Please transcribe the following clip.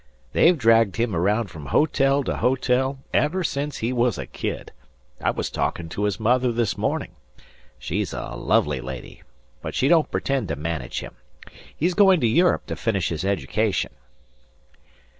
"They've dragged him around from hotel to hotel ever since he was a kid. I was talking to his mother this morning. She's a lovely lady, but she don't pretend to manage him. He's going to Europe to finish his education."